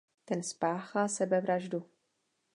Ten spáchá sebevraždu.